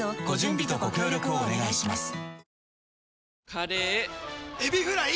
カレーエビフライ！